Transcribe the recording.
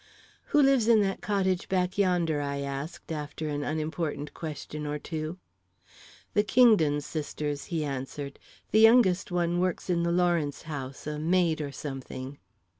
"Who lives in that cottage back yonder?" I asked, after an unimportant question or two. "The Kingdon sisters," he answered. "The youngest one works in the Lawrence house a maid or something."